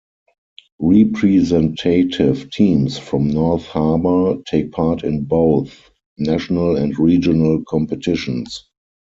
Representative teams from North Harbour take part in both national and regional competitions.